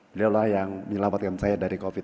beliau lah yang menyelamatkan saya dari covid